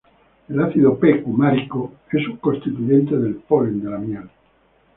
El ácido-"p"-cumárico es un constituyente del polen de la miel.